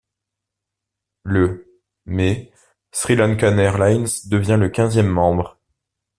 Le mai, SriLankan Airlines devient le quinzième membre.